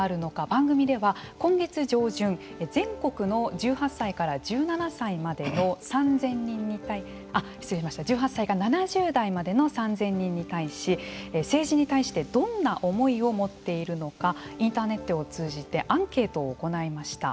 番組では、今月上旬全国の１８歳から１７歳までの１８歳から７０代までの３０００人に対し政治に対してどんな思いを持っているのかインターネットを通じてアンケートを行いました。